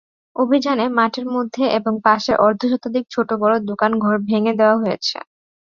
অভিযানে মাঠের মধ্যে এবং পাশের অর্ধশতাধিক ছোট-বড় দোকানঘর ভেঙে দেওয়া হয়েছে।